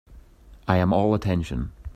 I am all attention.